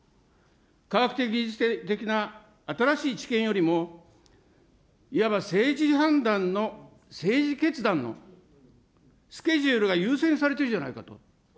科学的技術的な新しい治験よりも、いわば政治判断の、政治決断のスケジュールが優先されてるじゃないかと。